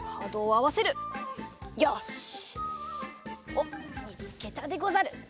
おっみつけたでござる。